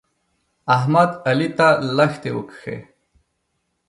احمد؛ علي ته لښتې وکښې.